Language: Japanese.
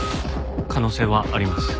可能性はあります。